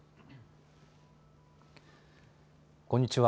こんにちは。